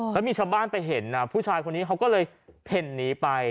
แล้วมีชาวบ้านไปเห็นผู้ชายคนนี้เขาก็เลยเพ่นหนีไป